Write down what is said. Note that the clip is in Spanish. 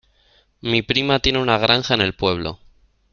Mi prima tiene una granja en el pueblo.